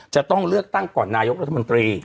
จะต้องเลือกตั้งก่อนนายกรัฐมนตรี